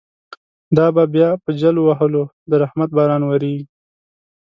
دابه بیا په جل وهلو، درحمت باران وریږی